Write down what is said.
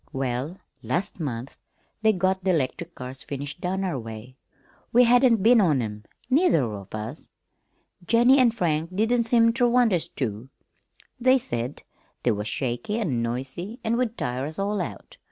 "Well, last month they got the 'lectric cars finished down our way. We hadn't been on 'em, neither of us. Jennie an' Frank didn't seem ter want us to. They said they was shaky an' noisy an' would tire us all out.